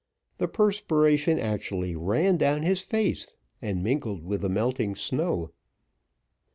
The perspiration actually ran down his face, and mingled with the melting snow.